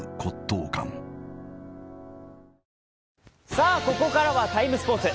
さあここからは「ＴＩＭＥ，スポーツ」